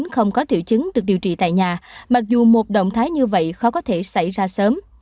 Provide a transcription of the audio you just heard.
không có triệu chứng được điều trị tại nhà mặc dù một động thái như vậy khó có thể xảy ra sớm